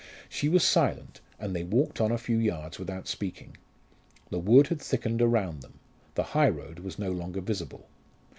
She was silent, and they walked on a few yards without speaking. The wood had thickened around them: The high road was no longer visible.